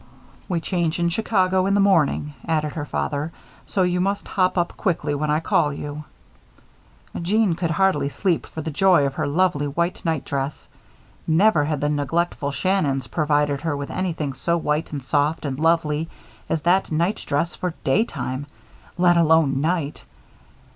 "We change in Chicago in the morning," added her father; "so you must hop up quickly when I call you." Jeanne could hardly sleep for the joy of her lovely white night dress. Never had the neglectful Shannons provided her with anything so white and soft and lovely as that night dress for daytime, let alone night.